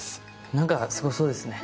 何かすごそうですね。